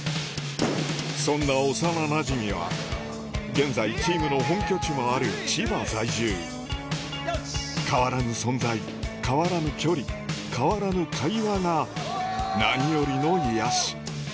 そんな幼なじみは現在チームの本拠地もある千葉在住変わらぬ存在変わらぬ距離変わらぬ会話が何よりの癒やし